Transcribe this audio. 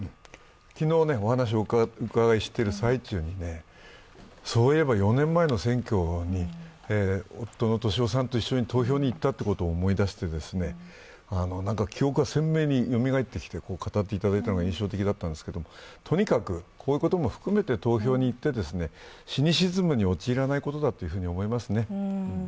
昨日お話を伺っている最中に、そういえば４年前の選挙に、夫の敏夫さんと一緒に投票に行ったということを思いだして、記憶が鮮明によみがえってきて語っていただいたのが印象的だったんですけど、とにかくこういうことも含めて投票に行って、シニシズムに陥らないことだと思いますね。